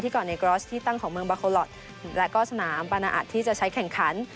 ก่อนในกรอสที่ตั้งของเมืองบาโคลอทและก็สนามปานาอัดที่จะใช้แข่งขัน